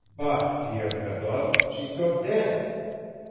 Bâ Pierre Cadotte, she's go dead.